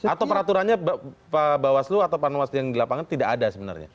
atau peraturannya pak bawaslu atau panwaslu yang di lapangan tidak ada sebenarnya